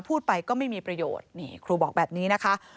พูดไปก็ไม่มีประโยชน์นี่ครูบอกแบบนี้นะคะ